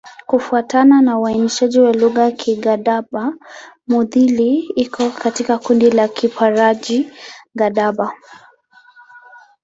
Kufuatana na uainishaji wa lugha, Kigadaba-Mudhili iko katika kundi la Kiparji-Gadaba.